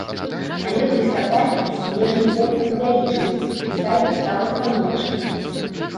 Але у лістападзе і снежні попыт павялічыўся, і сальда стала станоўчым.